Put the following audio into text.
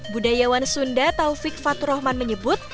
budayawan sunda taufik faturohman menyebut